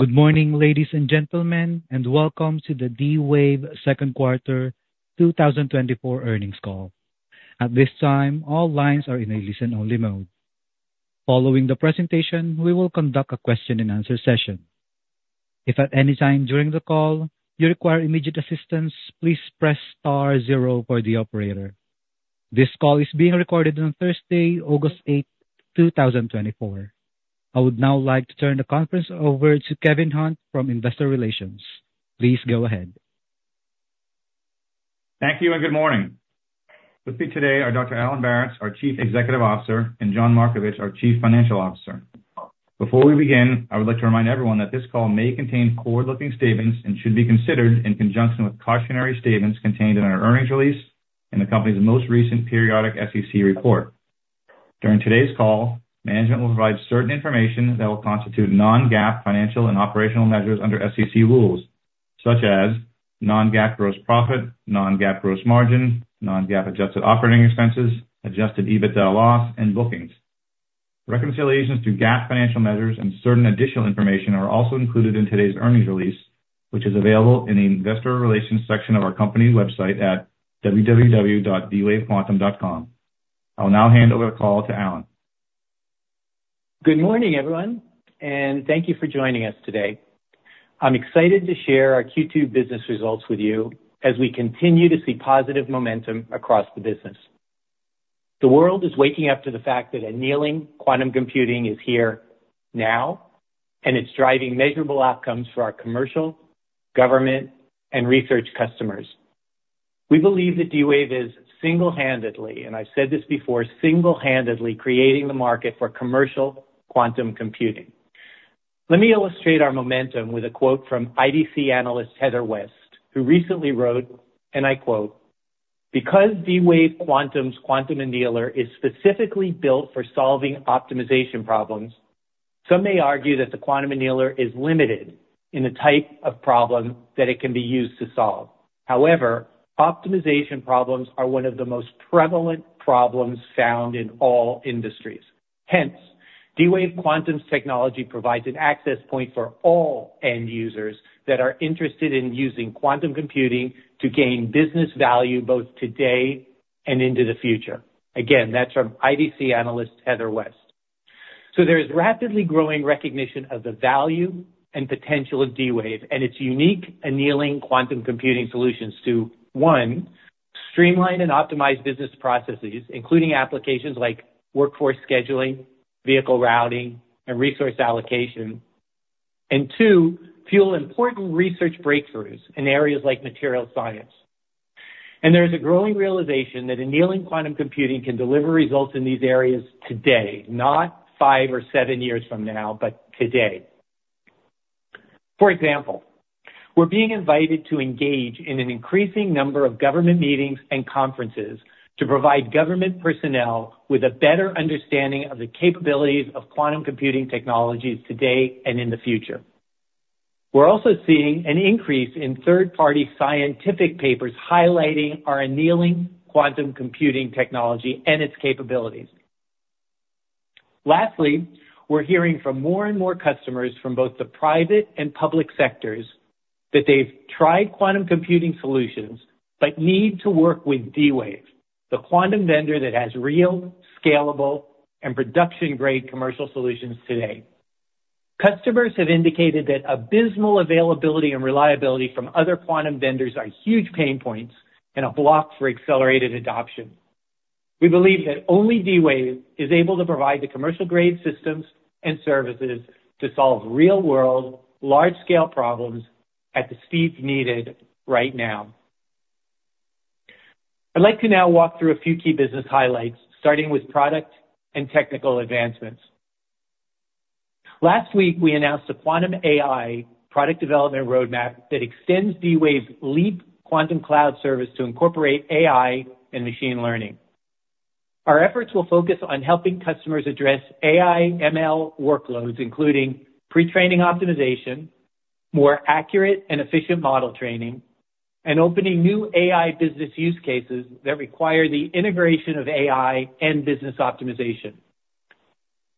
Good morning, ladies and gentlemen, and welcome to the D-Wave second quarter 2024 earnings call. At this time, all lines are in a listen-only mode. Following the presentation, we will conduct a question-and-answer session. If at any time during the call you require immediate assistance, please press star zero for the operator. This call is being recorded on Thursday, August 8, 2024. I would now like to turn the conference over to Kevin Hunt from Investor Relations. Please go ahead. Thank you, and good morning. With me today are Dr. Alan Baratz, our Chief Executive Officer, and John Markovich, our Chief Financial Officer. Before we begin, I would like to remind everyone that this call may contain forward-looking statements and should be considered in conjunction with cautionary statements contained in our earnings release and the company's most recent periodic SEC report. During today's call, management will provide certain information that will constitute non-GAAP financial and operational measures under SEC rules, such as non-GAAP gross profit, non-GAAP gross margin, non-GAAP adjusted operating expenses, adjusted EBITDA loss, and bookings. Reconciliations to GAAP financial measures and certain additional information are also included in today's earnings release, which is available in the investor relations section of our company's website at www.dwavequantum.com. I'll now hand over the call to Alan. Good morning, everyone, and thank you for joining us today. I'm excited to share our Q2 business results with you as we continue to see positive momentum across the business. The world is waking up to the fact that annealing quantum computing is here now, and it's driving measurable outcomes for our commercial, government, and research customers. We believe that D-Wave is single-handedly, and I've said this before, single-handedly creating the market for commercial quantum computing. Let me illustrate our momentum with a quote from IDC analyst Heather West, who recently wrote, and I quote, "Because D-Wave Quantum's quantum annealer is specifically built for solving optimization problems, some may argue that the quantum annealer is limited in the type of problem that it can be used to solve. However, optimization problems are one of the most prevalent problems found in all industries. Hence, D-Wave Quantum's technology provides an access point for all end users that are interested in using quantum computing to gain business value both today and into the future." Again, that's from IDC analyst Heather West. So there is rapidly growing recognition of the value and potential of D-Wave and its unique annealing quantum computing solutions to, one, streamline and optimize business processes, including applications like workforce scheduling, vehicle routing, and resource allocation, and two, fuel important research breakthroughs in areas like material science. And there is a growing realization that annealing quantum computing can deliver results in these areas today, not five or seven years from now, but today. For example, we're being invited to engage in an increasing number of government meetings and conferences to provide government personnel with a better understanding of the capabilities of quantum computing technologies today and in the future. We're also seeing an increase in third-party scientific papers highlighting our annealing quantum computing technology and its capabilities. Lastly, we're hearing from more and more customers from both the private and public sectors that they've tried quantum computing solutions but need to work with D-Wave, the quantum vendor that has real, scalable, and production-grade commercial solutions today. Customers have indicated that abysmal availability and reliability from other quantum vendors are huge pain points and a block for accelerated adoption. We believe that only D-Wave is able to provide the commercial-grade systems and services to solve real-world, large-scale problems at the speeds needed right now. I'd like to now walk through a few key business highlights, starting with product and technical advancements. Last week, we announced a Quantum AI product development roadmap that extends D-Wave's Leap quantum cloud service to incorporate AI and machine learning. Our efforts will focus on helping customers address AI/ML workloads, including pre-training optimization, more accurate and efficient model training, and opening new AI business use cases that require the integration of AI and business optimization.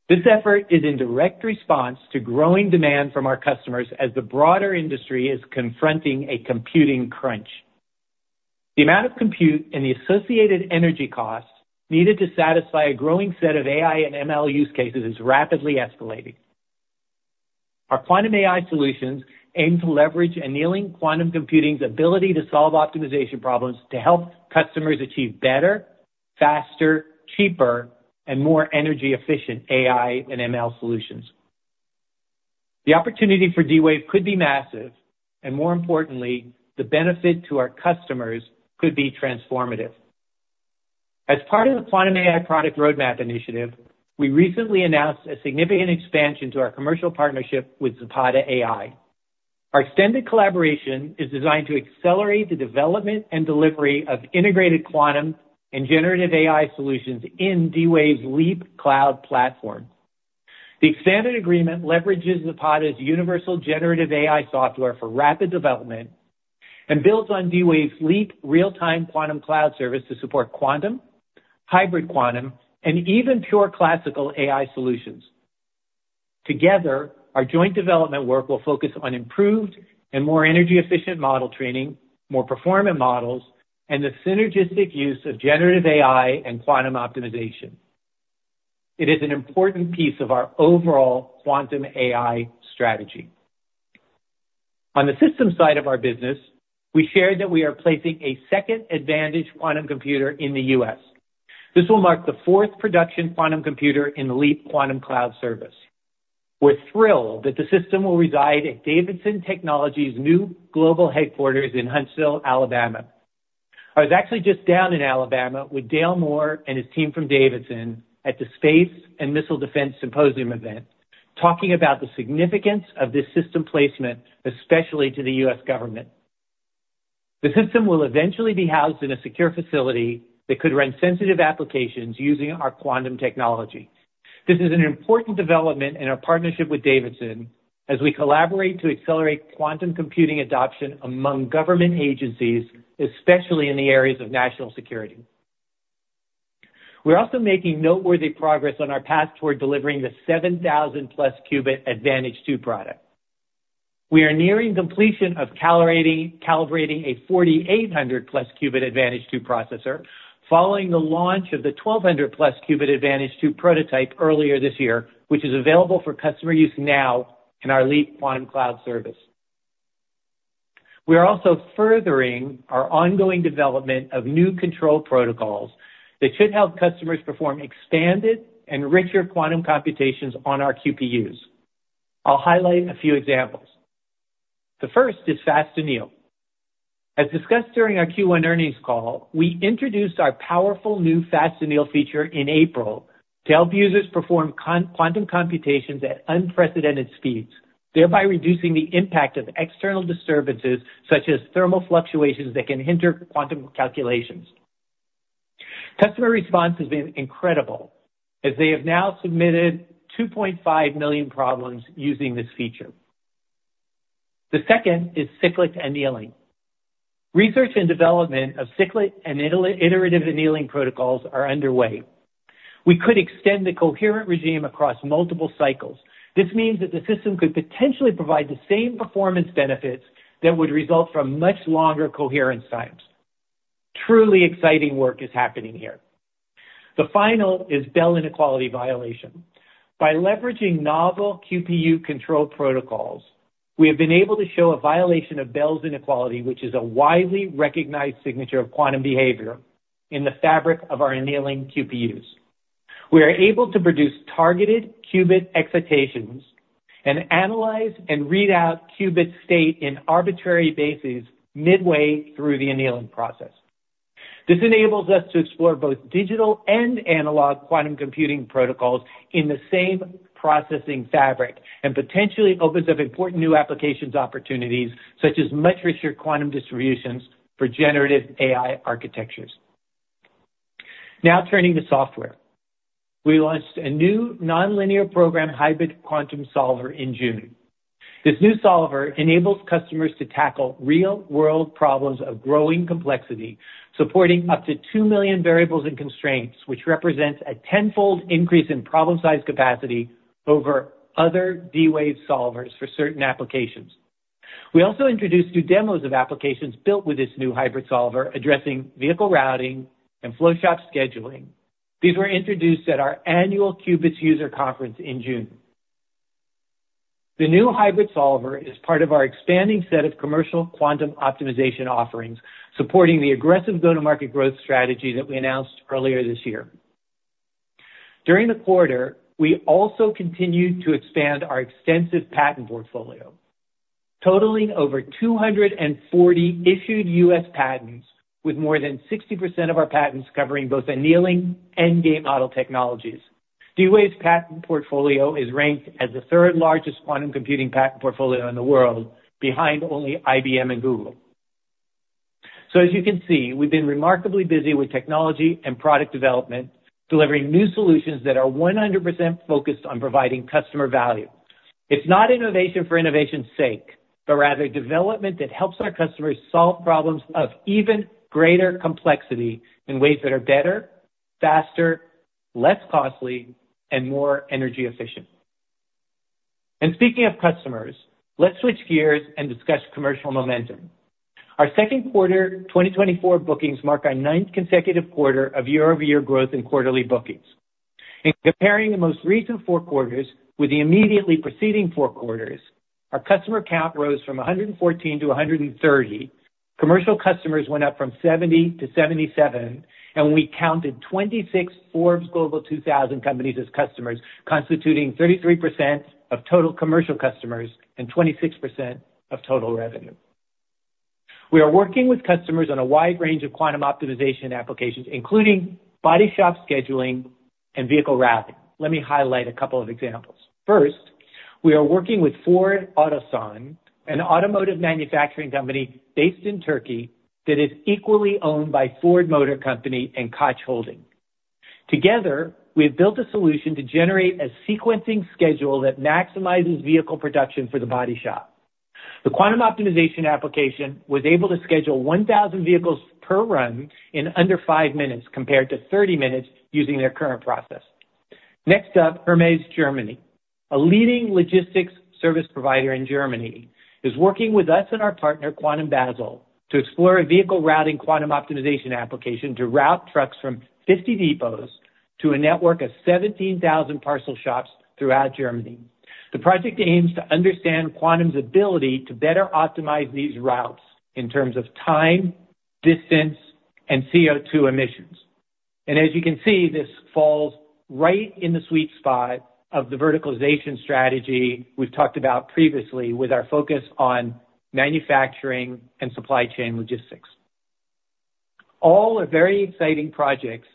This effort is in direct response to growing demand from our customers as the broader industry is confronting a computing crunch. The amount of compute and the associated energy costs needed to satisfy a growing set of AI and ML use cases is rapidly escalating. Our Quantum AI solutions aim to leverage annealing quantum computing's ability to solve optimization problems to help customers achieve better, faster, cheaper, and more energy-efficient AI and ML solutions. The opportunity for D-Wave could be massive, and more importantly, the benefit to our customers could be transformative. As part of the Quantum AI product roadmap initiative, we recently announced a significant expansion to our commercial partnership with Zapata AI. Our extended collaboration is designed to accelerate the development and delivery of integrated quantum and generative AI solutions in D-Wave's Leap Cloud platform. The expanded agreement leverages Zapata's universal generative AI software for rapid development and builds on D-Wave's Leap real-time quantum cloud service to support quantum, hybrid quantum, and even pure classical AI solutions. Together, our joint development work will focus on improved and more energy-efficient model training, more performant models, and the synergistic use of generative AI and quantum optimization. It is an important piece of our overall quantum AI strategy. On the systems side of our business, we shared that we are placing a second Advantage quantum computer in the U.S. This will mark the fourth production quantum computer in the Leap quantum cloud service. We're thrilled that the system will reside at Davidson Technologies' new global headquarters in Huntsville, Alabama. I was actually just down in Alabama with Dale Moore and his team from Davidson at the Space and Missile Defense Symposium event, talking about the significance of this system placement, especially to the U.S. government. The system will eventually be housed in a secure facility that could run sensitive applications using our quantum technology. This is an important development in our partnership with Davidson as we collaborate to accelerate quantum computing adoption among government agencies, especially in the areas of national security. We're also making noteworthy progress on our path toward delivering the 7,000+ qubit Advantage2 product. We are nearing completion of calibrating a 4,800+ qubit Advantage2 processor, following the launch of the 1,200+ qubit Advantage2 prototype earlier this year, which is available for customer use now in our Leap quantum cloud service. We are also furthering our ongoing development of new control protocols that should help customers perform expanded and richer quantum computations on our QPUs. I'll highlight a few examples. The first is Fast Anneal. As discussed during our Q1 earnings call, we introduced our powerful new Fast Anneal feature in April to help users perform quantum computations at unprecedented speeds, thereby reducing the impact of external disturbances, such as thermal fluctuations, that can hinder quantum calculations. Customer response has been incredible, as they have now submitted 2.5 million problems using this feature. The second is cyclic annealing. Research and development of cyclic and iterative annealing protocols are underway. We could extend the coherent regime across multiple cycles. This means that the system could potentially provide the same performance benefits that would result from much longer coherence times. Truly exciting work is happening here. The final is Bell inequality violation. By leveraging novel QPU control protocols, we have been able to show a violation of Bell's inequality, which is a widely recognized signature of quantum behavior in the fabric of our annealing QPUs. We are able to produce targeted qubit excitations and analyze and read out qubit state in arbitrary bases midway through the annealing process. This enables us to explore both digital and analog quantum computing protocols in the same processing fabric, and potentially opens up important new applications opportunities, such as much richer quantum distributions for generative AI architectures. Now turning to software. We launched a new nonlinear program, Hybrid Quantum Solver, in June. This new solver enables customers to tackle real-world problems of growing complexity, supporting up to 2 million variables and constraints, which represents a tenfold increase in problem size capacity over other D-Wave solvers for certain applications. We also introduced two demos of applications built with this new hybrid solver, addressing vehicle routing and flow shop scheduling. These were introduced at our annual Qubits User Conference in June. The new hybrid solver is part of our expanding set of commercial quantum optimization offerings, supporting the aggressive go-to-market growth strategy that we announced earlier this year. During the quarter, we also continued to expand our extensive patent portfolio, totaling over 240 issued U.S. patents, with more than 60% of our patents covering both annealing and gate model technologies. D-Wave's patent portfolio is ranked as the third-largest quantum computing patent portfolio in the world, behind only IBM and Google. So as you can see, we've been remarkably busy with technology and product development, delivering new solutions that are 100% focused on providing customer value. It's not innovation for innovation's sake, but rather development that helps our customers solve problems of even greater complexity in ways that are better, faster, less costly, and more energy efficient. And speaking of customers, let's switch gears and discuss commercial momentum. Our second quarter 2024 bookings mark our ninth consecutive quarter of year-over-year growth in quarterly bookings. In comparing the most recent four quarters with the immediately preceding four quarters, our customer count rose from 114 to 130. Commercial customers went up from 70 to 77, and we counted 26 Forbes Global 2000 companies as customers, constituting 33% of total commercial customers and 26% of total revenue. We are working with customers on a wide range of quantum optimization applications, including body shop scheduling and vehicle routing. Let me highlight a couple of examples. First, we are working with Ford Otosan, an automotive manufacturing company based in Turkey, that is equally owned by Ford Motor Company and Koç Holding. Together, we have built a solution to generate a sequencing schedule that maximizes vehicle production for the body shop. The quantum optimization application was able to schedule 1,000 vehicles per run in under five minutes, compared to 30 minutes using their current process. Next up, Hermes Germany, a leading logistics service provider in Germany, is working with us and our partner, Quantum Basel, to explore a vehicle routing quantum optimization application to route trucks from 50 depots to a network of 17,000 parcel shops throughout Germany. The project aims to understand quantum's ability to better optimize these routes in terms of time, distance, and CO2 emissions. As you can see, this falls right in the sweet spot of the verticalization strategy we've talked about previously, with our focus on manufacturing and supply chain logistics. All are very exciting projects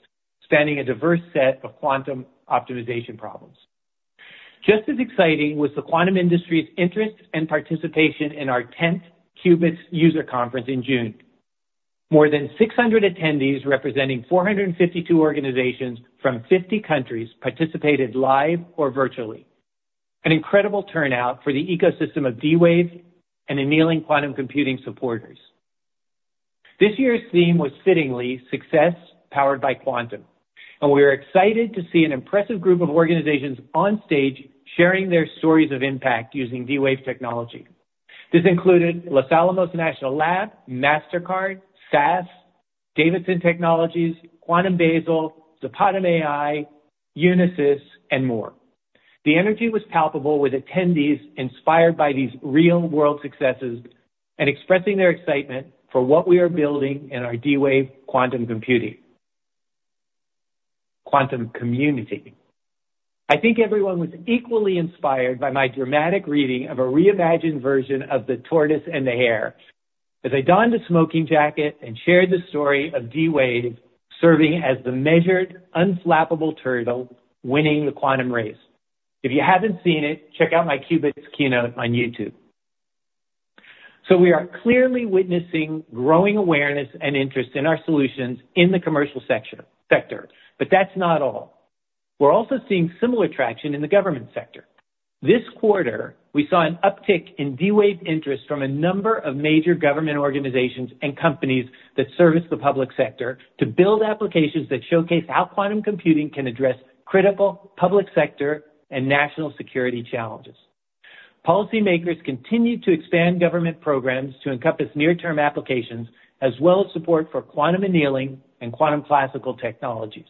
spanning a diverse set of quantum optimization problems. Just as exciting was the quantum industry's interest and participation in our tenth Qubits User Conference in June. More than 600 attendees, representing 452 organizations from 50 countries, participated live or virtually. An incredible turnout for the ecosystem of D-Wave and annealing quantum computing supporters. This year's theme was fittingly, Success Powered by Quantum, and we are excited to see an impressive group of organizations on stage sharing their stories of impact using D-Wave technology. This included Los Alamos National Lab, Mastercard, SAS, Davidson Technologies, Quantum Basel, Zapata AI, Unisys, and more. The energy was palpable, with attendees inspired by these real-world successes and expressing their excitement for what we are building in our D-Wave quantum computing quantum community. I think everyone was equally inspired by my dramatic reading of a reimagined version of The Tortoise and the Hare, as I donned a smoking jacket and shared the story of D-Wave serving as the measured, unflappable turtle winning the quantum race. If you haven't seen it, check out my Qubits keynote on YouTube. So we are clearly witnessing growing awareness and interest in our solutions in the commercial sector, but that's not all. We're also seeing similar traction in the government sector. This quarter, we saw an uptick in D-Wave interest from a number of major government organizations and companies that service the public sector to build applications that showcase how quantum computing can address critical public sector and national security challenges. Policymakers continue to expand government programs to encompass near-term applications, as well as support for quantum annealing and quantum classical technologies.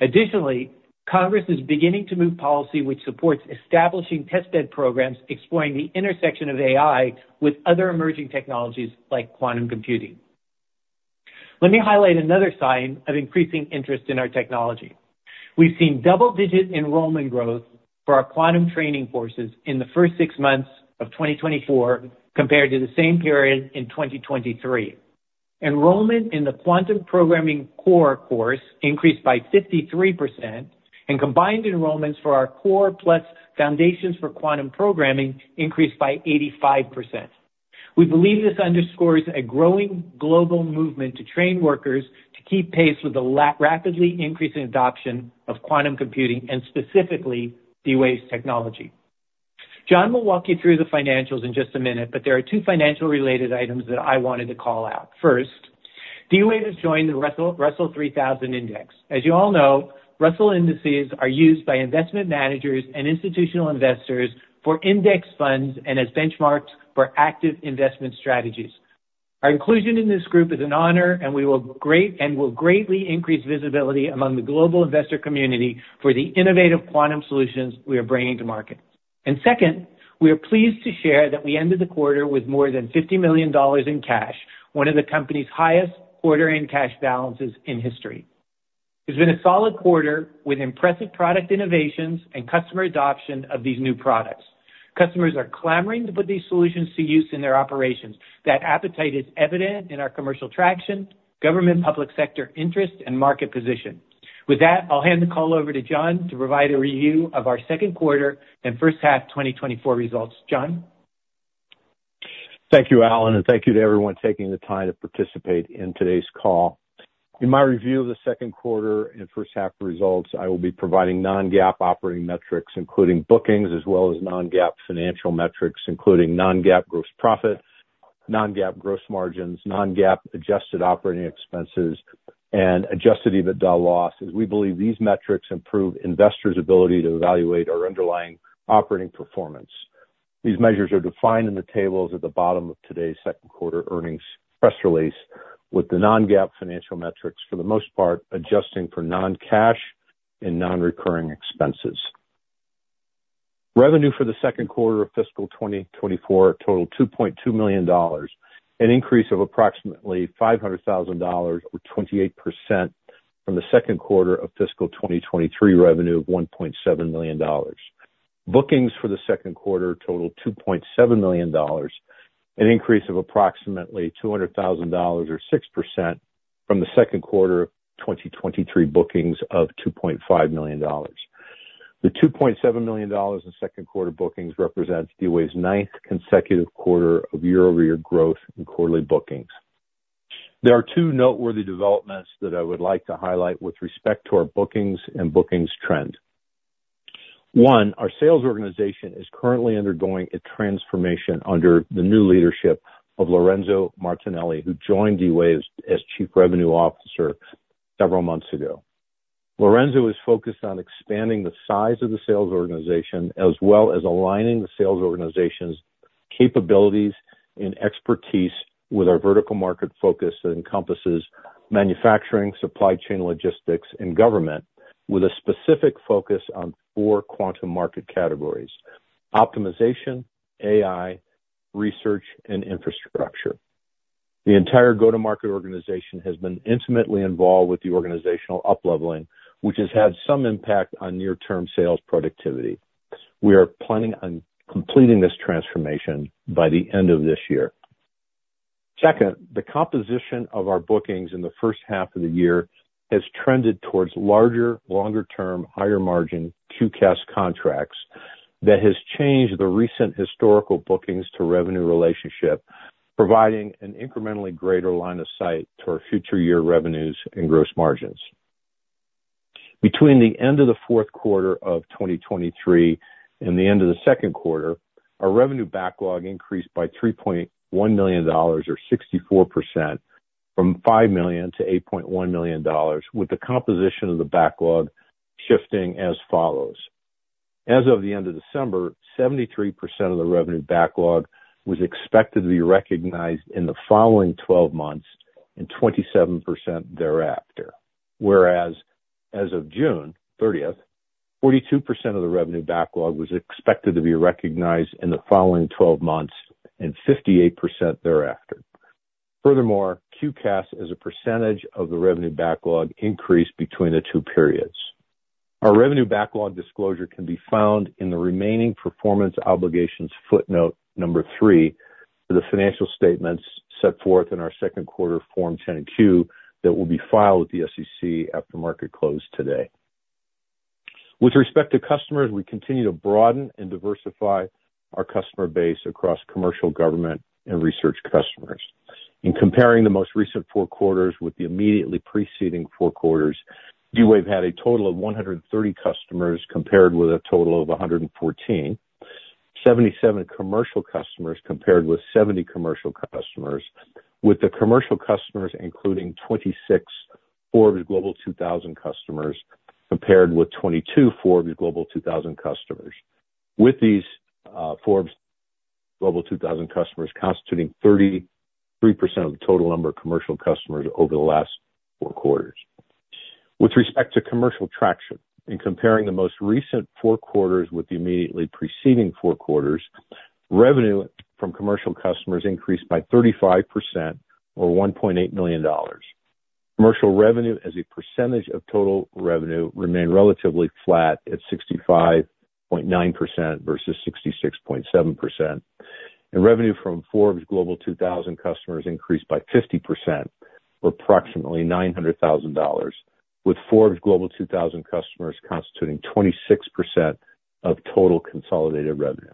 Additionally, Congress is beginning to move policy which supports establishing test bed programs exploring the intersection of AI with other emerging technologies like quantum computing. Let me highlight another sign of increasing interest in our technology. We've seen double-digit enrollment growth for our quantum training courses in the first six months of 2024, compared to the same period in 2023. Enrollment in the Quantum Programming Core course increased by 53%, and combined enrollments for our core plus Foundations for Quantum Programming increased by 85%. We believe this underscores a growing global movement to train workers to keep pace with the rapidly increasing adoption of quantum computing and specifically D-Wave's technology. John will walk you through the financials in just a minute, but there are two financial-related items that I wanted to call out. First, D-Wave has joined the Russell 3000 Index. As you all know, Russell indices are used by investment managers and institutional investors for index funds and as benchmarks for active investment strategies. Our inclusion in this group is an honor, and we will greatly increase visibility among the global investor community for the innovative quantum solutions we are bringing to market. And second, we are pleased to share that we ended the quarter with more than $50 million in cash, one of the company's highest quarter-end cash balances in history. It's been a solid quarter with impressive product innovations and customer adoption of these new products. Customers are clamoring to put these solutions to use in their operations. That appetite is evident in our commercial traction, government public sector interest, and market position. With that, I'll hand the call over to John to provide a review of our second quarter and first half 2024 results. John? Thank you, Alan, and thank you to everyone taking the time to participate in today's call. In my review of the second quarter and first half results, I will be providing non-GAAP operating metrics, including bookings, as well as non-GAAP financial metrics, including non-GAAP gross profits, non-GAAP gross margins, non-GAAP adjusted operating expenses, and adjusted EBITDA losses. We believe these metrics improve investors' ability to evaluate our underlying operating performance. These measures are defined in the tables at the bottom of today's second quarter earnings press release, with the non-GAAP financial metrics, for the most part, adjusting for non-cash and non-recurring expenses. Revenue for the second quarter of fiscal 2024 totaled $2.2 million, an increase of approximately $500,000, or 28%, from the second quarter of fiscal 2023 revenue of $1.7 million. Bookings for the second quarter totaled $2.7 million, an increase of approximately 200,000 or 6% from the second quarter of 2023 bookings of $2.5 million. The $2.7 million in second quarter bookings represents D-Wave's ninth consecutive quarter of year-over-year growth in quarterly bookings. There are two noteworthy developments that I would like to highlight with respect to our bookings and bookings trend. One, our sales organization is currently undergoing a transformation under the new leadership of Lorenzo Martinelli, who joined D-Wave as Chief Revenue Officer several months ago. Lorenzo is focused on expanding the size of the sales organization, as well as aligning the sales organization's capabilities and expertise with our vertical market focus that encompasses manufacturing, supply chain, logistics, and government, with a specific focus on four quantum market categories: optimization, AI, research, and infrastructure. The entire go-to-market organization has been intimately involved with the organizational up-leveling, which has had some impact on near-term sales productivity. We are planning on completing this transformation by the end of this year. Second, the composition of our bookings in the first half of the year has trended towards larger, longer-term, higher margin QCaaS contracts that has changed the recent historical bookings to revenue relationship, providing an incrementally greater line of sight to our future year revenues and gross margins. Between the end of the fourth quarter of 2023 and the end of the second quarter, our revenue backlog increased by $3.1 million or 64%, from $5 million to $8.1 million, with the composition of the backlog shifting as follows: As of the end of December, 73% of the revenue backlog was expected to be recognized in the following twelve months and 27% thereafter. Whereas, as of June 13th, 42% of the revenue backlog was expected to be recognized in the following twelve months and 58% thereafter. Furthermore, QCaaS, as a percentage of the revenue backlog, increased between the two periods. Our revenue backlog disclosure can be found in the remaining performance obligations footnote number 3, for the financial statements set forth in our second quarter Form 10-Q, that will be filed with the SEC after market close today. With respect to customers, we continue to broaden and diversify our customer base across commercial, government, and research customers. In comparing the most recent four quarters with the immediately preceding four quarters, D-Wave had a total of 130 customers, compared with a total of 114. 77 commercial customers, compared with 70 commercial customers, with the commercial customers, including 26 Forbes Global 2000 customers, compared with 22 Forbes Global 2000 customers. With these, Forbes Global 2000 customers constituting 33% of the total number of commercial customers over the last four quarters. With respect to commercial traction, in comparing the most recent four quarters with the immediately preceding four quarters, revenue from commercial customers increased by 35% or $1.8 million. Commercial revenue, as a percentage of total revenue, remained relatively flat at 65.9% versus 66.7%. Revenue from Forbes Global 2000 customers increased by 50%, or approximately $900,000, with Forbes Global 2000 customers constituting 26% of total consolidated revenue.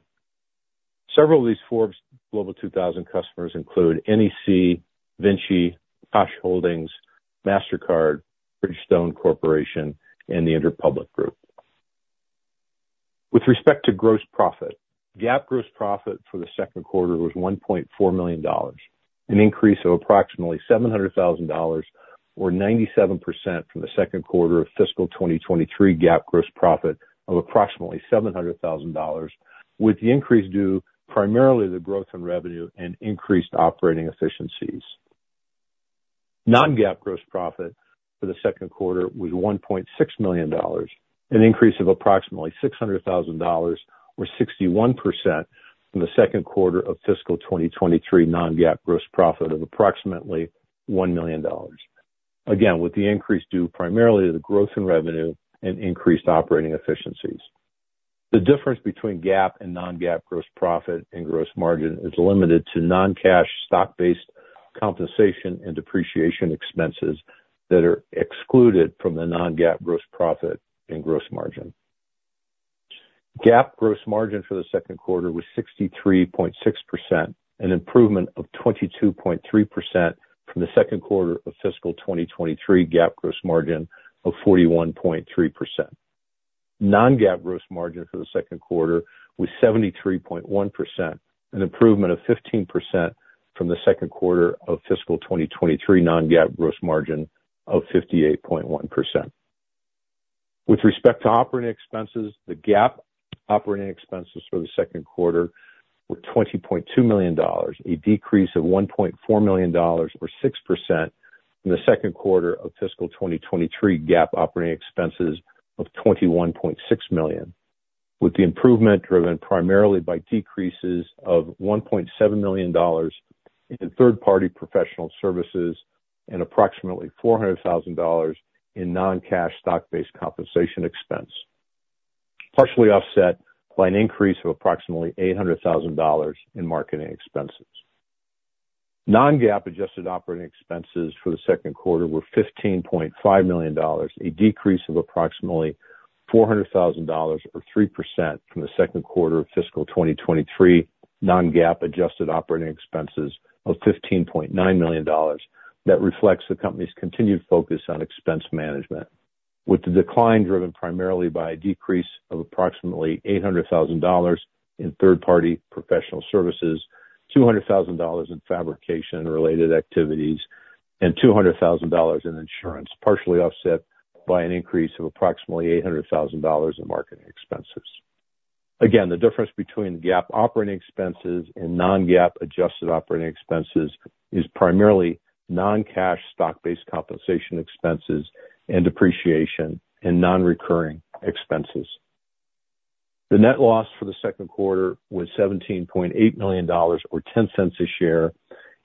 Several of these Forbes Global 2000 customers include NEC, Vinci, Koç Holding, Mastercard, Bridgestone Corporation, and the Interpublic Group. With respect to gross profit, GAAP gross profit for the second quarter was $1.4 million, an increase of approximately $700,000, or 97% from the second quarter of fiscal 2023 GAAP gross profit of approximately $700,000, with the increase due primarily to the growth in revenue and increased operating efficiencies. Non-GAAP gross profit for the second quarter was $1.6 million, an increase of approximately $600,000, or 61% from the second quarter of fiscal 2023 non-GAAP gross profit of approximately $1 million. Again, with the increase due primarily to the growth in revenue and increased operating efficiencies. The difference between GAAP and non-GAAP gross profit and gross margin is limited to non-cash stock-based compensation and depreciation expenses that are excluded from the non-GAAP gross profit and gross margin. GAAP gross margin for the second quarter was 63.6%, an improvement of 22.3% from the second quarter of fiscal 2023 GAAP gross margin of 41.3%. Non-GAAP gross margin for the second quarter was 73.1%, an improvement of 15% from the second quarter of fiscal 2023 non-GAAP gross margin of 58.1%. With respect to operating expenses, the GAAP operating expenses for the second quarter were $20.2 million, a decrease of $1.4 million or 6% from the second quarter of fiscal 2023 GAAP operating expenses of $21.6 million, with the improvement driven primarily by decreases of $1.7 million in third-party professional services and approximately $400,000 in non-cash stock-based compensation expense, partially offset by an increase of approximately $800,000 in marketing expenses. Non-GAAP adjusted operating expenses for the second quarter were $15.5 million, a decrease of approximately $400,000 or 3% from the second quarter of fiscal 2023 non-GAAP adjusted operating expenses of $15.9 million. That reflects the company's continued focus on expense management, with the decline driven primarily by a decrease of approximately $800,000 in third-party professional services, $200,000 in fabrication-related activities, and $200,000 in insurance, partially offset by an increase of approximately $800,000 in marketing expenses. Again, the difference between GAAP operating expenses and non-GAAP adjusted operating expenses is primarily non-cash stock-based compensation expenses and depreciation and non-recurring expenses. The net loss for the second quarter was $17.8 million, or $0.10 a share,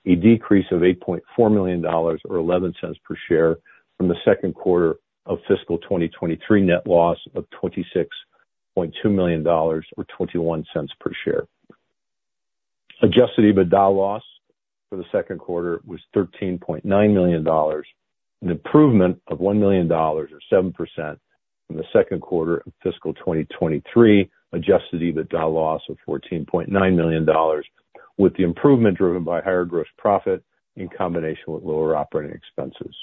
a decrease of $8.4 million, or $0.11 per share, from the second quarter of fiscal 2023 net loss of $26.2 million or $0.21 per share. Adjusted EBITDA loss for the second quarter was $13.9 million, an improvement of $1 million or 7% from the second quarter of fiscal 2023, adjusted EBITDA loss of $14.9 million, with the improvement driven by higher gross profit in combination with lower operating expenses.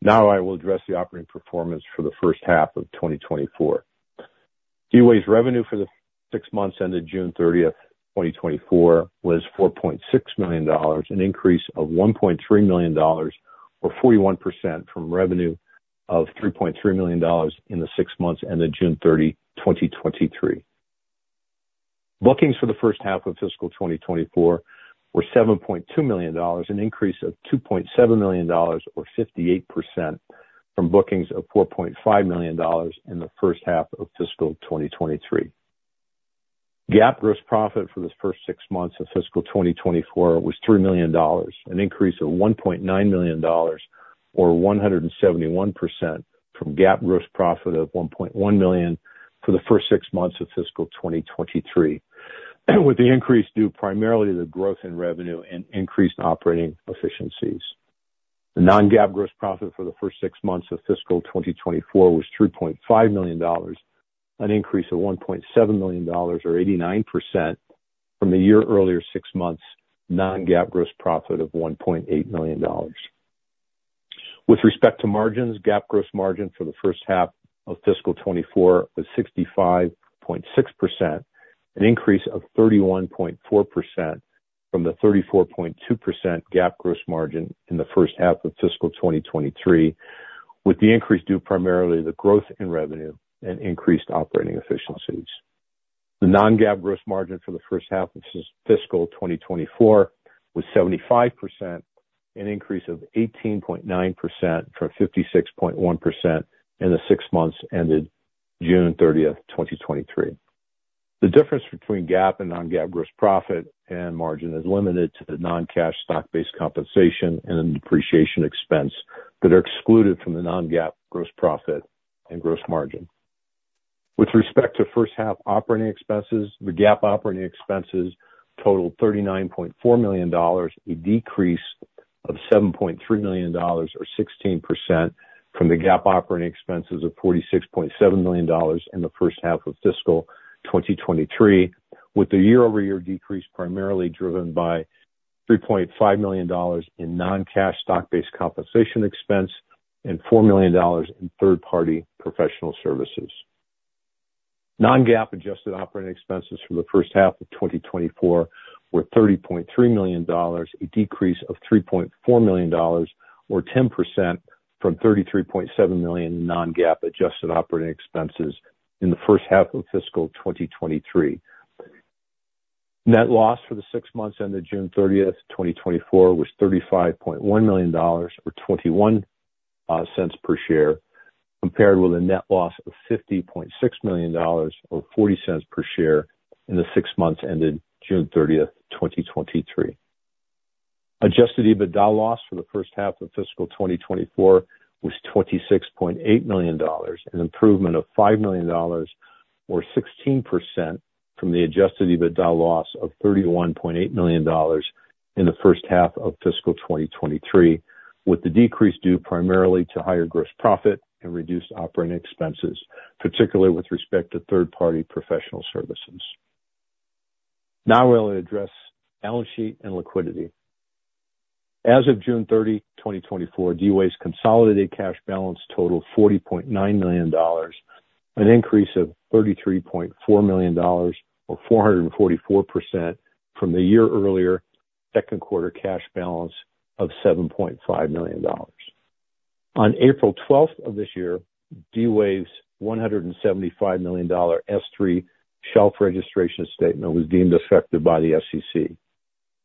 Now I will address the operating performance for the first half of 2024. D-Wave's revenue for the six months ended June 30, 2024, was $4.6 million, an increase of $1.3 million or 41% from revenue of $3.3 million in the six months ended June 30, 2023. Bookings for the first half of fiscal 2024 were $7.2 million, an increase of $2.7 million or 58% from bookings of $4.5 million in the first half of fiscal 2023. GAAP gross profit for the first six months of fiscal 2024 was $3 million, an increase of $1.9 million or 171% from GAAP gross profit of $1.1 million for the first six months of fiscal 2023, with the increase due primarily to the growth in revenue and increased operating efficiencies. The non-GAAP gross profit for the first six months of fiscal 2024 was $3.5 million, an increase of $1.7 million or 89% from the year earlier six months non-GAAP gross profit of $1.8 million. With respect to margins, GAAP gross margin for the first half of fiscal 2024 was 65.6%, an increase of 31.4% from the 34.2% GAAP gross margin in the first half of fiscal 2023, with the increase due primarily to the growth in revenue and increased operating efficiencies. The non-GAAP gross margin for the first half of fiscal 2024 was 75%, an increase of 18.9% from 56.1% in the six months ended June 30, 2023. The difference between GAAP and non-GAAP gross profit and margin is limited to the non-cash stock-based compensation and depreciation expense that are excluded from the non-GAAP gross profit and gross margin. With respect to first half operating expenses, the GAAP operating expenses totaled $39.4 million, a decrease of $7.3 million, or 16%, from the GAAP operating expenses of $46.7 million in the first half of fiscal 2023, with the year-over-year decrease primarily driven by $3.5 million in non-cash stock-based compensation expense and $4 million in third-party professional services. Non-GAAP adjusted operating expenses for the first half of 2024 were $30.3 million, a decrease of $3.4 million or 10% from $33.7 million in non-GAAP adjusted operating expenses in the first half of fiscal 2023. Net loss for the six months ended June 30, 2024, was $35.1 million, or $0.21 per share, compared with a net loss of $50.6 million or $0.40 per share in the six months ended June 30, 2023. Adjusted EBITDA loss for the first half of fiscal 2024 was $26.8 million, an improvement of $5 million or 16% from the adjusted EBITDA loss of $31.8 million in the first half of fiscal 2023, with the decrease due primarily to higher gross profit and reduced operating expenses, particularly with respect to third-party professional services. Now I will address balance sheet and liquidity. As of June 30, 2024, D-Wave's consolidated cash balance totaled $40.9 million, an increase of $33.4 million or 444% from the year-earlier second quarter cash balance of $7.5 million. On April 12 of this year, D-Wave's $175 million S-3 shelf registration statement was deemed effective by the SEC.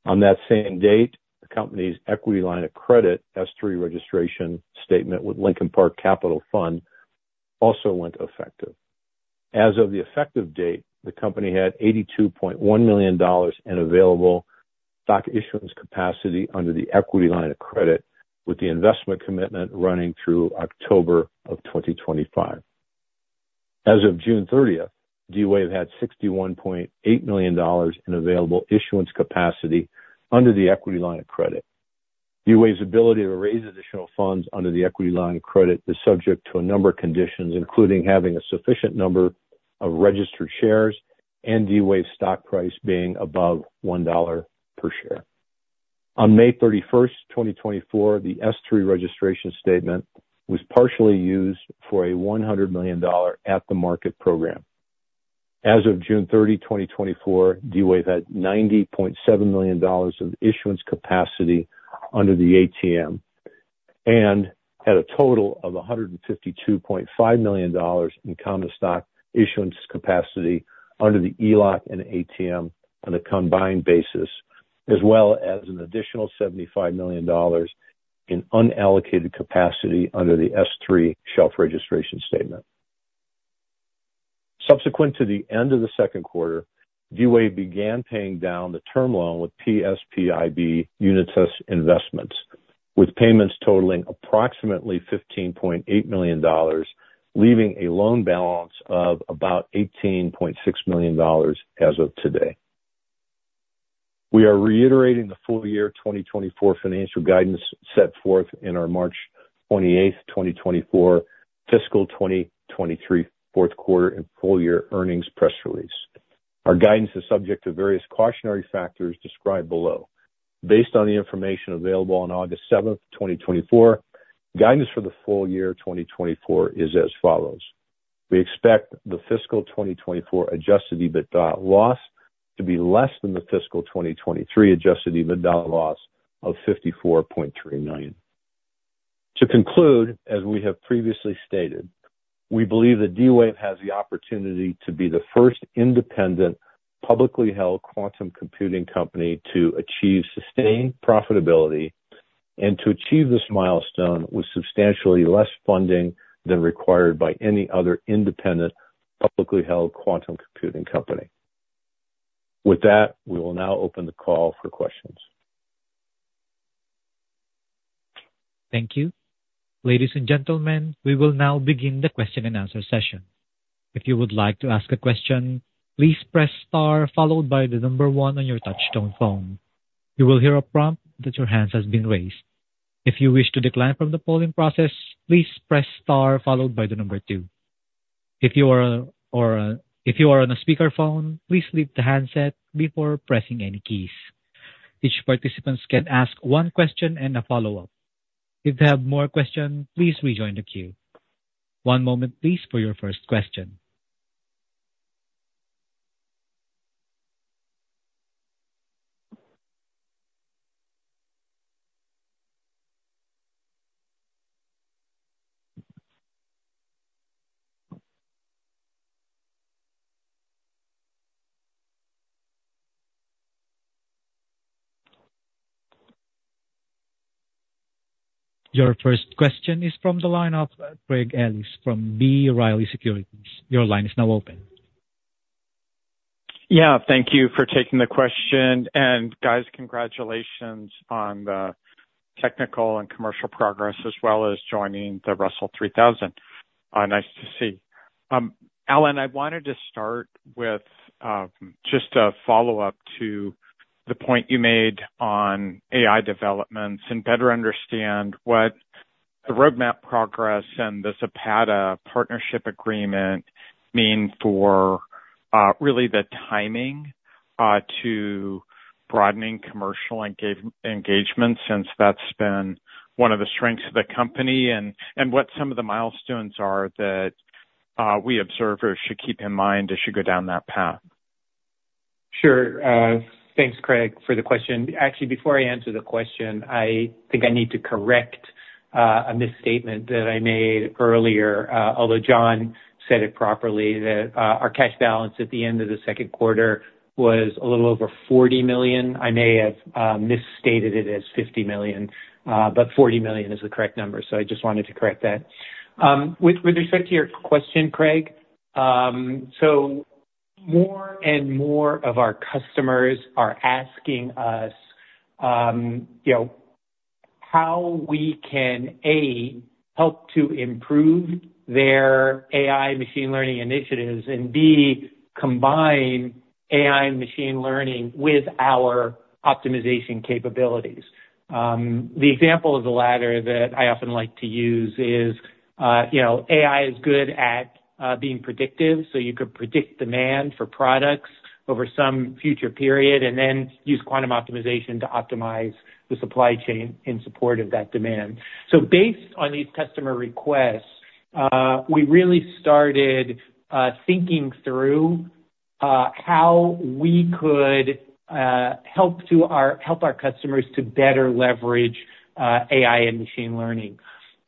On that same date, the company's equity line of credit, S-3 registration statement with Lincoln Park Capital Fund, also went effective. As of the effective date, the company had $82.1 million in available stock issuance capacity under the equity line of credit, with the investment commitment running through October of 2025. As of June 30, D-Wave had $61.8 million in available issuance capacity under the equity line of credit. D-Wave's ability to raise additional funds under the equity line of credit is subject to a number of conditions, including having a sufficient number of registered shares and D-Wave's stock price being above $1 per share. On May 31, 2024, the S-3 registration statement was partially used for a $100 million at the market program. As of June 30, 2024, D-Wave had $90.7 million of issuance capacity under the ATM and had a total of $152.5 million in common stock issuance capacity under the ELOC and ATM on a combined basis, as well as an additional $75 million in unallocated capacity under the S-3 shelf registration statement. Subsequent to the end of the second quarter, D-Wave began paying down the term loan with PSPIB Unitas Investments, with payments totaling approximately $15.8 million, leaving a loan balance of about $18.6 million as of today. We are reiterating the full year 2024 financial guidance set forth in our March 28, 2024, fiscal 2023 fourth quarter and full year earnings press release. Our guidance is subject to various cautionary factors described below. Based on the information available on August 7, 2024, guidance for the full year 2024 is as follows: We expect the fiscal 2024 Adjusted EBITDA loss to be less than the fiscal 2023 Adjusted EBITDA loss of $54.3 million. To conclude, as we have previously stated, we believe that D-Wave has the opportunity to be the first independent, publicly held quantum computing company to achieve sustained profitability and to achieve this milestone with substantially less funding than required by any other independent, publicly held quantum computing company. With that, we will now open the call for questions. Thank you. Ladies and gentlemen, we will now begin the question and answer session. If you would like to ask a question, please press star followed by the number one on your touchtone phone. You will hear a prompt that your hands has been raised. If you wish to decline from the polling process, please press star followed by the number two. If you are, or, uh, if you are on a speakerphone, please leave the handset before pressing any keys. Each participants can ask one question and a follow-up. If you have more questions, please rejoin the queue. One moment, please, for your first question. Your first question is from the line of Craig Ellis from B. Riley Securities. Your line is now open. Yeah, thank you for taking the question, and guys, congratulations on the technical and commercial progress, as well as joining the Russell 3000. Nice to see. Alan, I wanted to start with just a follow-up to the point you made on AI developments and better understand what the roadmap progress and the Zapata Partnership Agreement mean for really the timing to broadening commercial engagement, since that's been one of the strengths of the company, and what some of the milestones are that we observers should keep in mind as you go down that path. Sure. Thanks, Craig, for the question. Actually, before I answer the question, I think I need to correct a misstatement that I made earlier, although John said it properly, that our cash balance at the end of the second quarter was a little over $40 million. I may have misstated it as $50 million, but $40 million is the correct number, so I just wanted to correct that. With respect to your question, Craig, so more and more of our customers are asking us, you know, how we can, A, help to improve their AI machine learning initiatives, and B, combine AI and machine learning with our optimization capabilities. The example of the latter that I often like to use is, you know, AI is good at being predictive, so you could predict demand for products over some future period and then use quantum optimization to optimize the supply chain in support of that demand. So based on these customer requests, we really started thinking through how we could help our customers to better leverage AI and machine learning.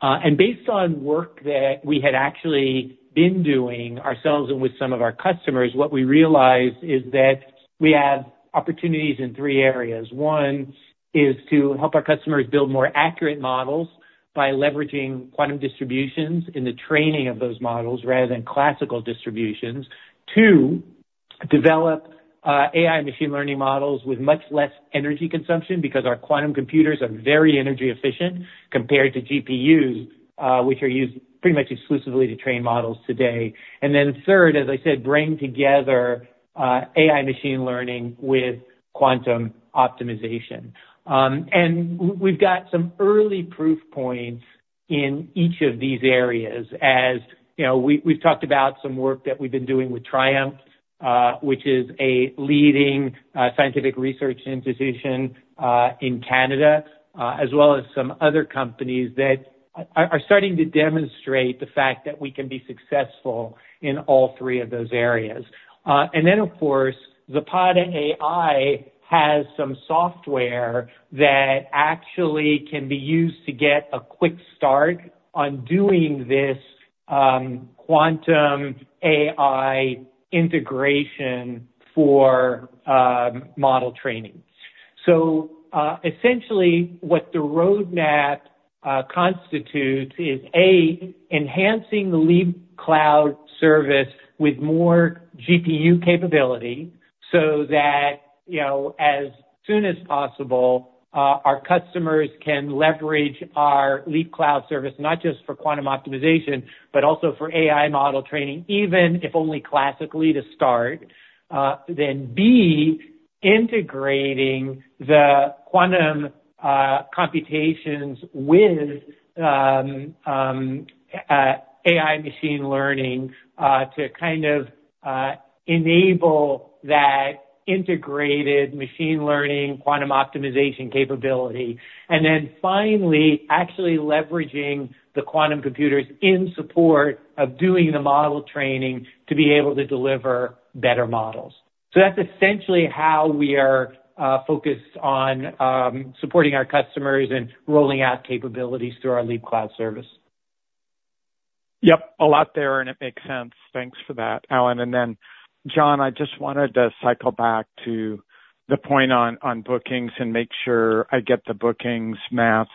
And based on work that we had actually been doing ourselves and with some of our customers, what we realized is that we have opportunities in three areas. One is to help our customers build more accurate models by leveraging quantum distributions in the training of those models rather than classical distributions. Two, develop AI machine learning models with much less energy consumption, because our quantum computers are very energy efficient compared to GPUs, which are used pretty much exclusively to train models today. And then third, as I said, bring together AI machine learning with quantum optimization. And we've got some early proof points in each of these areas. As you know, we've talked about some work that we've been doing with TRIUMF, which is a leading scientific research institution in Canada, as well as some other companies that are starting to demonstrate the fact that we can be successful in all three of those areas. And then of course, Zapata AI has some software that actually can be used to get a quick start on doing this, Quantum AI integration for model training. So, essentially, what the roadmap constitutes is, A, enhancing the Leap Cloud service with more GPU capability, so that, you know, as soon as possible, our customers can leverage our Leap Cloud service, not just for quantum optimization, but also for AI model training, even if only classically to start. Then B, integrating the quantum computations with AI machine learning, to kind of enable that integrated machine learning, quantum optimization capability. And then finally, actually leveraging the quantum computers in support of doing the model training, to be able to deliver better models. So that's essentially how we are focused on supporting our customers and rolling out capabilities through our Leap Cloud service. Yep. A lot there, and it makes sense. Thanks for that, Alan. And then, John, I just wanted to cycle back to the point on bookings and make sure I get the bookings math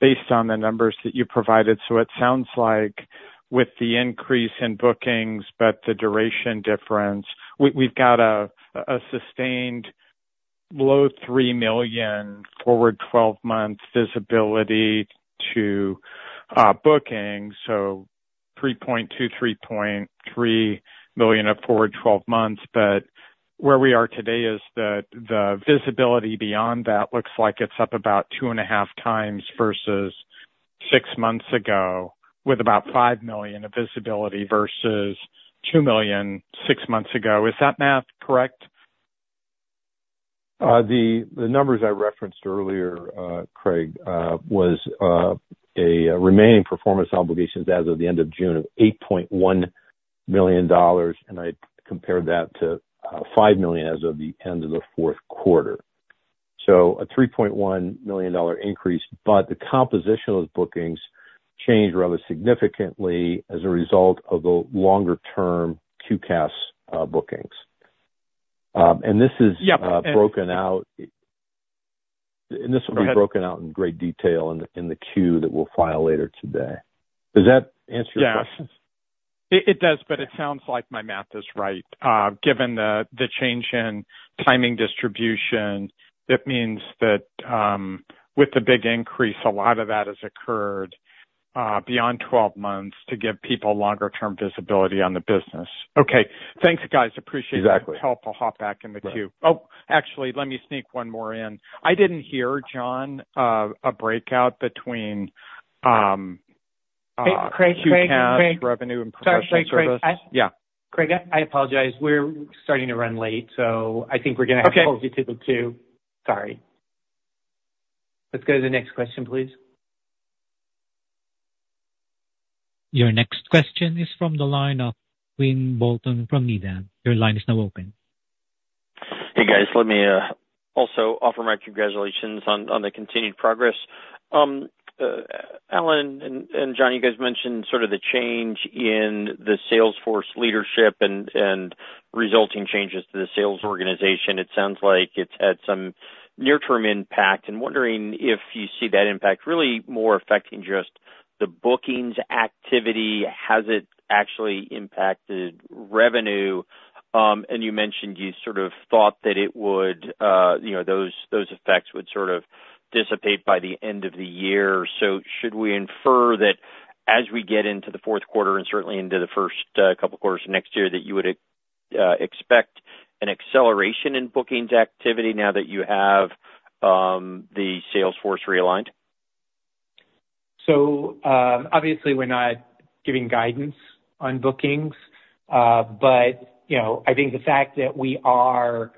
based on the numbers that you provided. So it sounds like with the increase in bookings, but the duration difference, we've got a sustained low $3 million forward twelve months visibility to bookings, so $3.2-$3.3 million of forward twelve months. But where we are today is the visibility beyond that looks like it's up about 2.5 times versus six months ago, with about $5 million of visibility versus $2 million six months ago. Is that math correct? The numbers I referenced earlier, Craig, was a remaining performance obligations as of the end of June, of $8.1 million, and I compared that to $5 million as of the end of the fourth quarter. So a $3.1 million increase, but the composition of those bookings changed rather significantly as a result of the longer term QCaaS bookings. And this is broken out and this will be. Go ahead. Broken out in great detail in the Q that we'll file later today. Does that answer your question? Yeah. It does, but it sounds like my math is right. Given the change in timing distribution, it means that with the big increase, a lot of that has occurred beyond 12 months to give people longer term visibility on the business. Okay. Thanks, guys, appreciate it. Exactly. Helpful. I'll hop back in the queue. Right. Oh, actually, let me sneak one more in. I didn't hear, John, a breakout between. Craig, Craig? QCaaS revenue and professional service. Sorry, Craig. Craig, I apologize. We're starting to run late, so I think we're gonna have. Okay. To stick to two. Sorry. Let's go to the next question, please. Your next question is from the line of Quinn Bolton from Needham. Your line is now open. Hey, guys, let me also offer my congratulations on the continued progress. Alan and John, you guys mentioned sort of the change in the sales force leadership and resulting changes to the sales organization. It sounds like it's had some near-term impact. I'm wondering if you see that impact really more affecting just the bookings activity. Has it actually impacted revenue? And you mentioned you sort of thought that it would, you know, those effects would sort of dissipate by the end of the year. So should we infer that as we get into the fourth quarter, and certainly into the first couple quarters of next year, that you would expect an acceleration in bookings activity now that you have the sales force realigned? So, obviously we're not giving guidance on bookings. But, you know, I think the fact that we are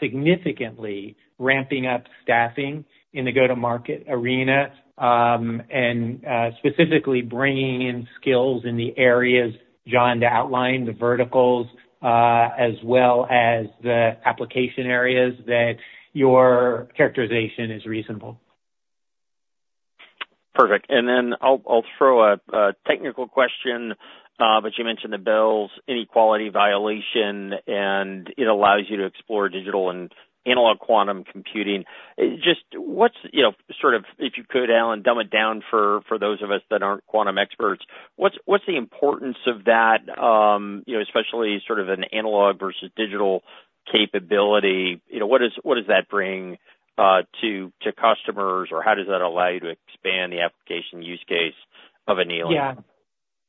significantly ramping up staffing in the go-to-market arena, and specifically bringing in skills in the areas John outlined, the verticals, as well as the application areas, that your characterization is reasonable. Perfect. And then I'll throw a technical question. But you mentioned the Bell inequality violation, and it allows you to explore digital and analog quantum computing. Just, what's, you know, sort of, if you could, Alan, dumb it down for those of us that aren't quantum experts, what's the importance of that, you know, especially sort of an analog versus digital capability? You know, what does that bring to customers? Or how does that allow you to expand the application use case of annealing? Yeah.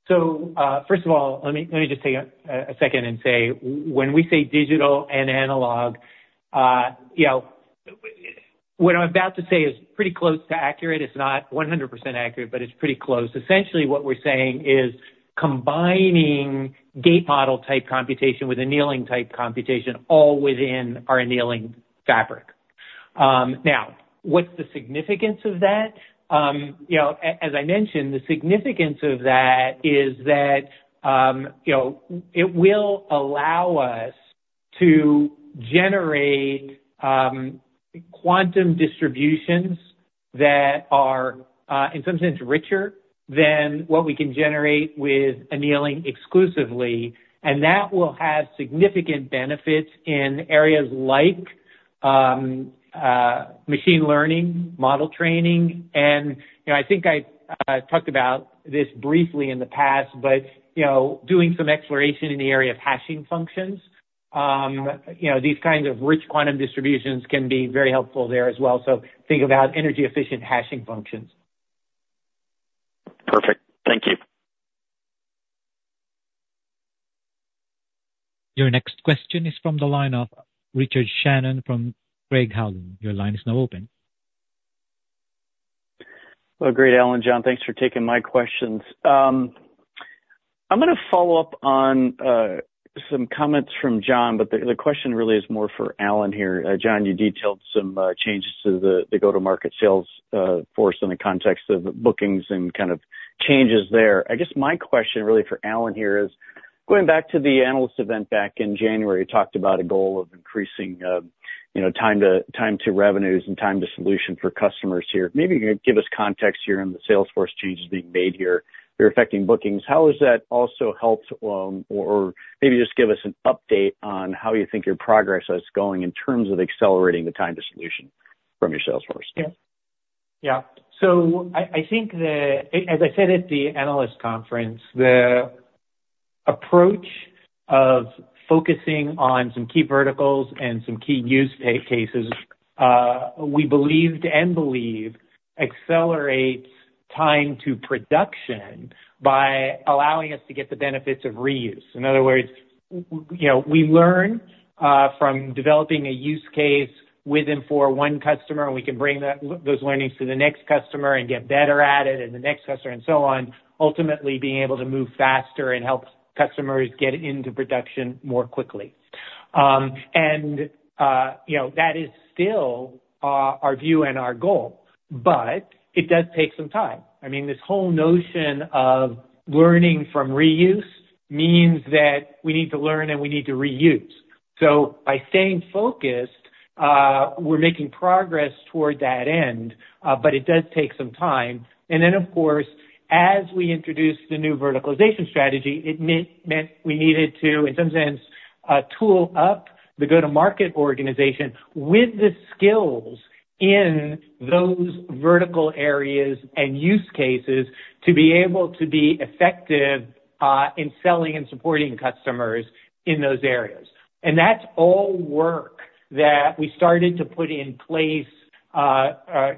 So, first of all, let me, let me just take a, a second and say, when we say digital and analog, you know, what I'm about to say is pretty close to accurate. It's not 100% accurate, but it's pretty close. Essentially, what we're saying is combining gate model type computation with annealing type computation all within our annealing fabric. Now, what's the significance of that? You know, as I mentioned, the significance of that is that, you know, it will allow us to generate quantum distributions that are in some sense richer than what we can generate with annealing exclusively, and that will have significant benefits in areas like machine learning, model training, and, you know, I think I talked about this briefly in the past, but, you know, doing some exploration in the area of hashing functions, you know, these kinds of rich quantum distributions can be very helpful there as well. So think about energy-efficient hashing functions. Perfect. Thank you. Your next question is from the line of Richard Shannon from Craig-Hallum. Your line is now open. Well, great, Alan, John, thanks for taking my questions. I'm gonna follow up on some comments from John, but the question really is more for Alan here. John, you detailed some changes to the go-to-market sales force in the context of bookings and kind of changes there. I guess my question really for Alan here is, going back to the analyst event back in January, you talked about a goal of increasing, you know, time to revenues and time to solution for customers here. Maybe you can give us context here on the sales force changes being made here. They're affecting bookings. How has that also helped, or maybe just give us an update on how you think your progress is going in terms of accelerating the time to solution from your sales force? So I think as I said at the analyst conference, the approach of focusing on some key verticals and some key use cases, we believed and believe, accelerates time to production by allowing us to get the benefits of reuse. In other words, you know, we learn from developing a use case with and for one customer, and we can bring that, those learnings to the next customer and get better at it, and the next customer, and so on, ultimately being able to move faster and help customers get into production more quickly. And you know, that is still our view and our goal, but it does take some time. I mean, this whole notion of learning from reuse means that we need to learn, and we need to reuse. So by staying focused, we're making progress toward that end, but it does take some time. And then, of course, as we introduce the new verticalization strategy, it meant, meant we needed to, in some sense, tool up the go-to-market organization with the skills in those vertical areas and use cases to be able to be effective, in selling and supporting customers in those areas. And that's all work that we started to put in place,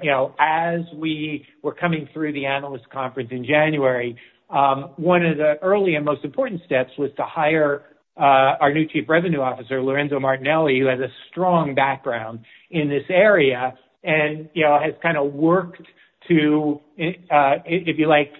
you know, as we were coming through the analyst conference in January. One of the early and most important steps was to hire our new Chief Revenue Officer, Lorenzo Martinelli, who has a strong background in this area and, you know, has kinda worked to, if you like,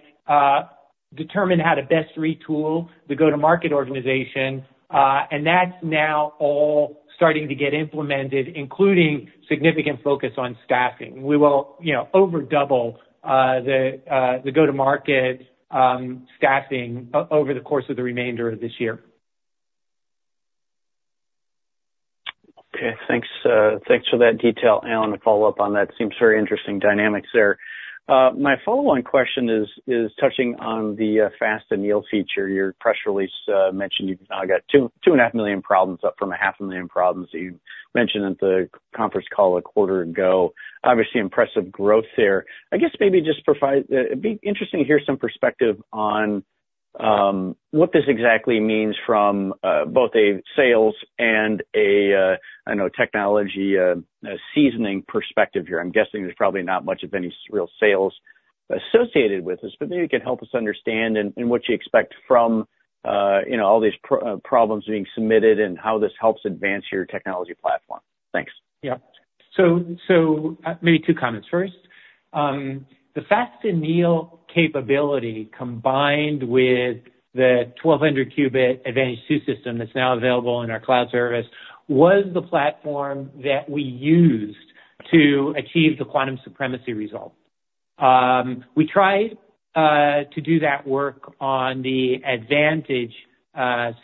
determine how to best retool the go-to-market organization, and that's now all starting to get implemented, including significant focus on staffing. We will, you know, over double the go-to-market staffing over the course of the remainder of this year. Okay, thanks, thanks for that detail, Alan. To follow up on that, seems very interesting dynamics there. My follow-on question is touching on the Fast Anneal feature. Your press release mentioned you've now got 2.5 million problems, up from 0.5 million problems that you mentioned at the conference call a quarter ago. Obviously, impressive growth there. I guess maybe just provide. It'd be interesting to hear some perspective on what this exactly means from both a sales and a technology, I know, seasoning perspective here. I'm guessing there's probably not much of any real sales associated with this, but maybe you can help us understand and what you expect from, you know, all these problems being submitted and how this helps advance your technology platform. Thanks. Yeah. Maybe two comments. First, the Fast Anneal capability, combined with the 1,200-qubit Advantage2 system that's now available in our cloud service, was the platform that we used to achieve the quantum supremacy result. We tried to do that work on the Advantage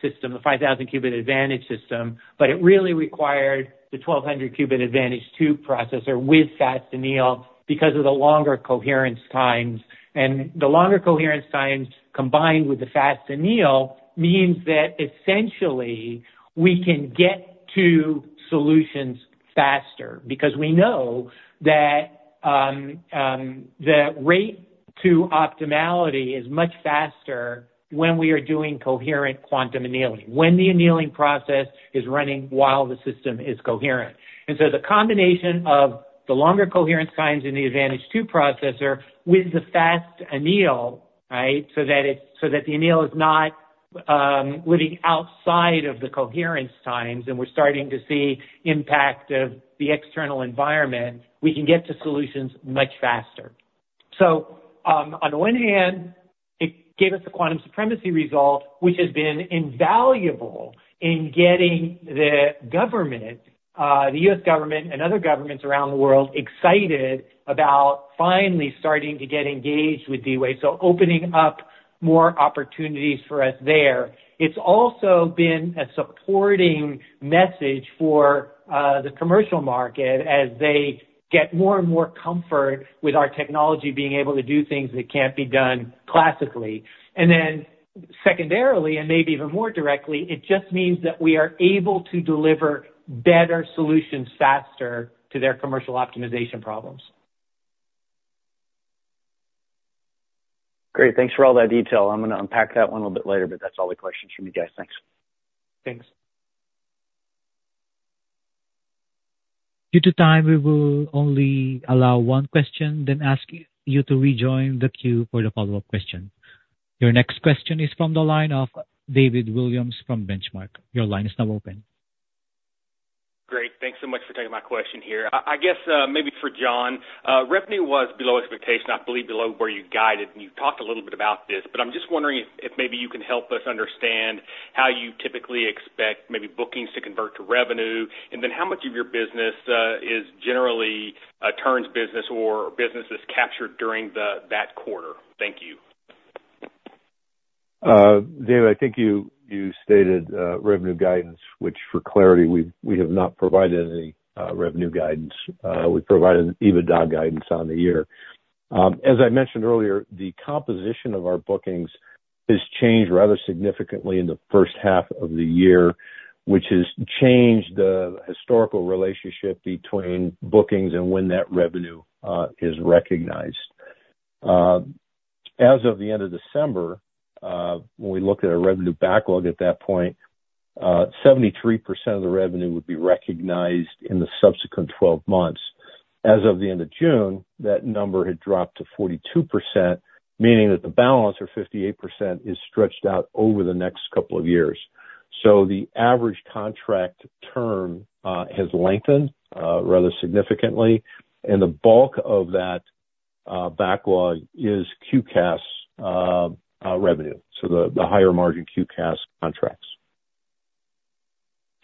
system, the 5,000-qubit Advantage system, but it really required the 1,200-qubit Advantage2 processor with Fast Anneal because of the longer coherence times. And the longer coherence times, combined with the Fast Anneal, means that essentially, we can get to solutions faster, because we know that the rate to optimality is much faster when we are doing coherent quantum annealing, when the annealing process is running while the system is coherent. And so the combination of the longer coherence times in the Advantage2 processor with the Fast Anneal, right? So that the anneal is not living outside of the coherence times, and we're starting to see impact of the external environment, we can get to solutions much faster. So, on the one hand, it gave us a quantum supremacy result, which has been invaluable in getting the government, the US government and other governments around the world, excited about finally starting to get engaged with D-Wave, so opening up more opportunities for us there. It's also been a supporting message for the commercial market as they get more and more comfort with our technology being able to do things that can't be done classically. And then secondarily, and maybe even more directly, it just means that we are able to deliver better solutions faster to their commercial optimization problems. Great. Thanks for all that detail. I'm gonna unpack that one a little bit later, but that's all the questions from me, guys. Thanks. Thanks. Due to time, we will only allow one question, then ask you to rejoin the queue for the follow-up question. Your next question is from the line of David Williams from Benchmark. Your line is now open. Great. Thanks so much for taking my question here. I guess maybe for John. Revenue was below expectation, I believe below where you guided, and you talked a little bit about this, but I'm just wondering if maybe you can help us understand how you typically expect maybe bookings to convert to revenue, and then how much of your business is generally a turns business or business is captured during that quarter? Thank you. David, I think you stated revenue guidance, which for clarity, we have not provided any revenue guidance. We provided EBITDA guidance on the year. As I mentioned earlier, the composition of our bookings has changed rather significantly in the first half of the year, which has changed the historical relationship between bookings and when that revenue is recognized. As of the end of December, when we looked at our revenue backlog at that point, 73% of the revenue would be recognized in the subsequent twelve months. As of the end of June, that number had dropped to 42%, meaning that the balance, or 58%, is stretched out over the next couple of years. So the average contract term has lengthened rather significantly, and the bulk of that backlog is QCaaS revenue, so the higher margin QCaaS contracts.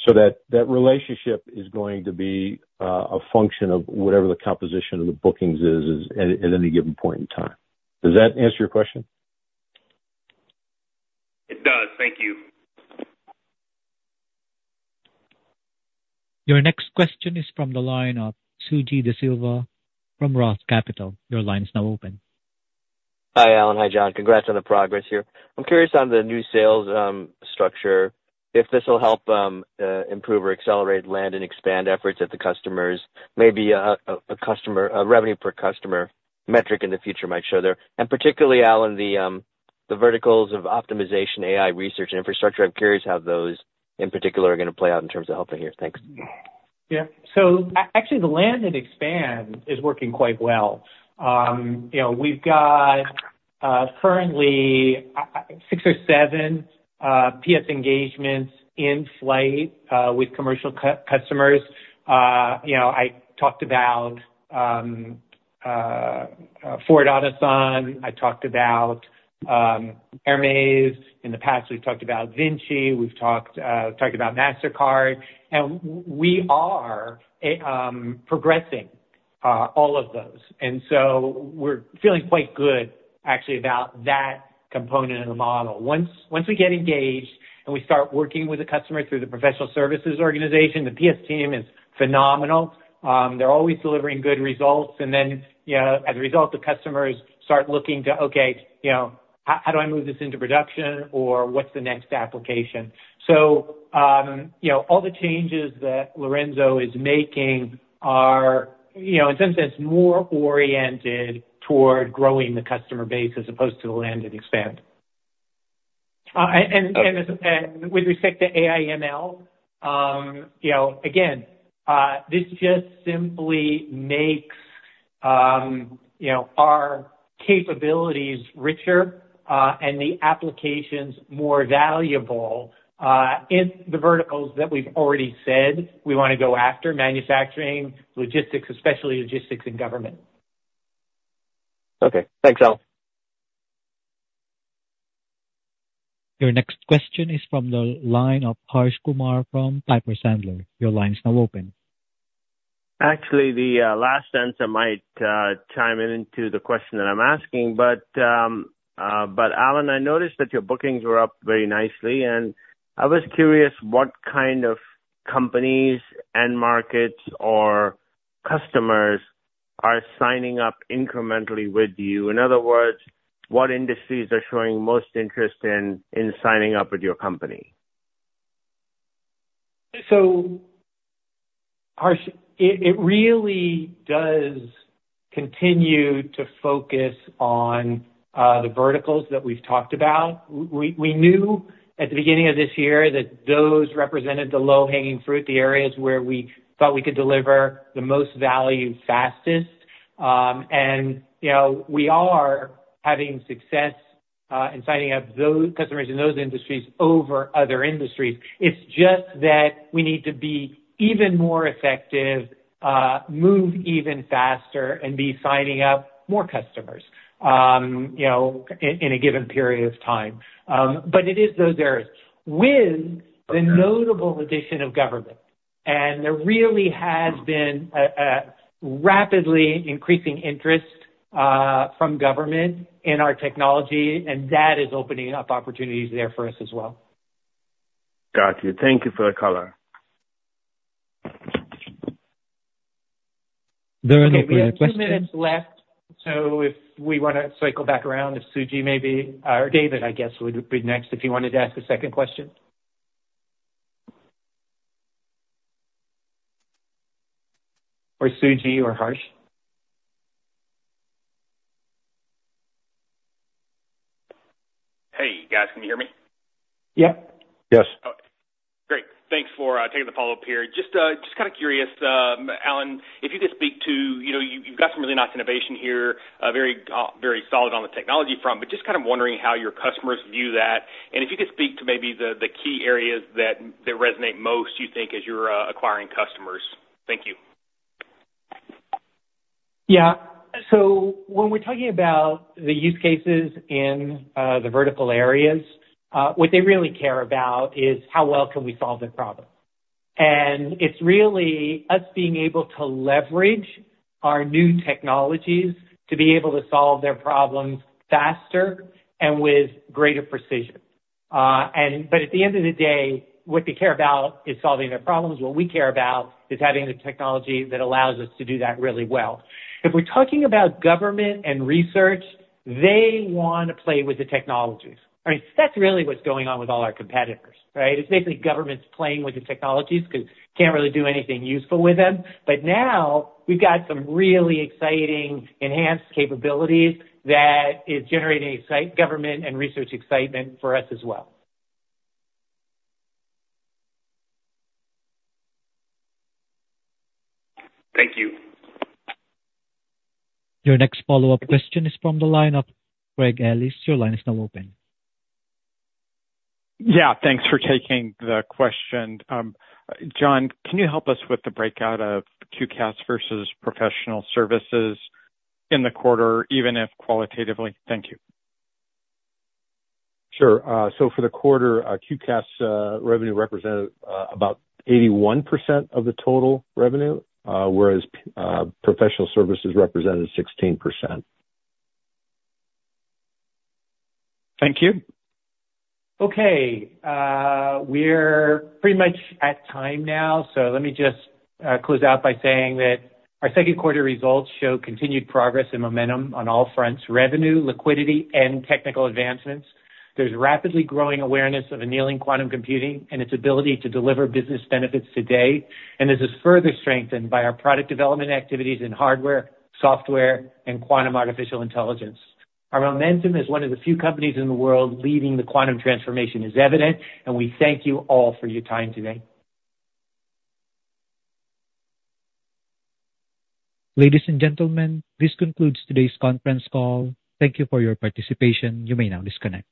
So that relationship is going to be a function of whatever the composition of the bookings is at any given point in time. Does that answer your question? It does. Thank you. Your next question is from the line of Suji Desilva from Roth Capital. Your line is now open. Hi, Alan. Hi, John. Congrats on the progress here. I'm curious on the new sales structure, if this will help improve or accelerate land and expand efforts at the customers, maybe a customer--a revenue per customer metric in the future might show there. And particularly, Alan, the verticals of optimization, AI research, and infrastructure, I'm curious how those, in particular, are gonna play out in terms of helping here. Thanks. Yeah. So actually, the land and expand is working quite well. You know, we've got currently six or seven PS engagements in flight with commercial customers. You know, I talked about Ford Otosan, I talked about Hermes. In the past, we've talked about Vinci, we've talked about Mastercard, and we are progressing all of those. And so we're feeling quite good actually about that component of the model. Once we get engaged and we start working with the customer through the professional services organization, the PS team is phenomenal. They're always delivering good results, and then, you know, as a result, the customers start looking to, okay, you know, how, how do I move this into production, or what's the next application? So, you know, all the changes that Lorenzo is making are, you know, in some sense, more oriented toward growing the customer base as opposed to the land and expand. And with respect to AI/ML, you know, again, this just simply makes, you know, our capabilities richer, and the applications more valuable, in the verticals that we've already said we wanna go after: manufacturing, logistics, especially logistics and government. Okay. Thanks, Alan. Your next question is from the line of Harsh Kumar from Piper Sandler. Your line is now open. Actually, the last answer might chime into the question that I'm asking, but but Alan, I noticed that your bookings were up very nicely, and I was curious what kind of companies and markets or customers are signing up incrementally with you. In other words, what industries are showing most interest in, in signing up with your company? So, Harsh, it really does continue to focus on the verticals that we've talked about. We knew at the beginning of this year that those represented the low-hanging fruit, the areas where we thought we could deliver the most value fastest. And, you know, we are having success in signing up those customers in those industries over other industries. It's just that we need to be even more effective, move even faster, and be signing up more customers, you know, in a given period of time. But it is those areas, with the notable addition of government. And there really has been a rapidly increasing interest from government in our technology, and that is opening up opportunities there for us as well. Got you. Thank you for the color. There are any other questions? We have two minutes left, so if we wanna cycle back around to Suji, maybe, or David, I guess, would be next, if you wanted to ask a second question. Or Suji or Harsh? Hey, guys, can you hear me? Yes. Great. Thanks for taking the follow-up here. Just kind of curious, Alan, if you could speak to, you know, you've got some really nice innovation here, very solid on the technology front, but just kind of wondering how your customers view that. And if you could speak to maybe the key areas that resonate most, you think, as you're acquiring customers. Thank you. Yeah. So when we're talking about the use cases in the vertical areas, what they really care about is how well can we solve their problem? And it's really us being able to leverage our new technologies to be able to solve their problems faster and with greater precision. And but at the end of the day, what they care about is solving their problems. What we care about is having the technology that allows us to do that really well. If we're talking about government and research, they wanna play with the technologies. I mean, that's really what's going on with all our competitors, right? It's basically governments playing with the technologies, 'cause can't really do anything useful with them. But now we've got some really exciting enhanced capabilities that is generating excitement for government and research as well. Thank you. Your next follow-up question is from the line of Craig Ellis. Your line is now open. Yeah, thanks for taking the question. John, can you help us with the breakout of QCaaS versus professional services in the quarter, even if qualitatively? Thank you. Sure. So for the quarter, QCaaS revenue represented about 81% of the total revenue, whereas professional services represented 16%. Thank you. Okay. We're pretty much at time now, so let me just close out by saying that our second quarter results show continued progress and momentum on all fronts: revenue, liquidity, and technical advancements. There's rapidly growing awareness of annealing quantum computing and its ability to deliver business benefits today, and this is further strengthened by our product development activities in hardware, software, and quantum artificial intelligence. Our momentum as one of the few companies in the world leading the quantum transformation is evident, and we thank you all for your time today. Ladies and gentlemen, this concludes today's conference call. Thank you for your participation. You may now disconnect.